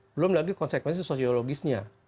belum lagi konsekuensi sosiologisnya